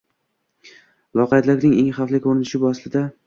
Loqaydlikning eng xavfli ko‘rinishi shu aslida.